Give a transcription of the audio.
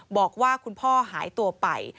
บอกว่าคุณพ่อหายตัวไป